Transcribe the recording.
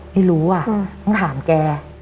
ไม่รู้อ่ะต้องถามแก